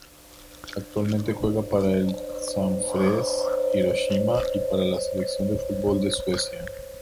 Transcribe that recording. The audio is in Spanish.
Actualmente juega para el Sanfrecce Hiroshima y para la selección de fútbol de Suecia.